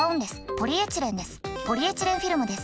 ポリエチレンフィルムです。